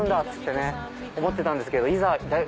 っつって思ってたんですけどいざ